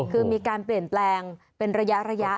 คือมีการเปลี่ยนแปลงเป็นระยะ